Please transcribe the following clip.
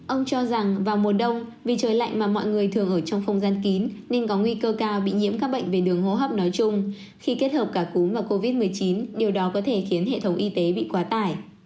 ông cho rằng vào mùa đông vì trời lạnh mà mọi người thường ở trong không gian kín nên có nguy cơ cao bị nhiễm các bệnh về đường hô hấp nói chung khi kết hợp cả cúm và covid một mươi chín điều đó có thể khiến hệ thống y tế bị quá tải